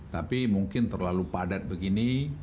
tapi mungkin terlalu padat begini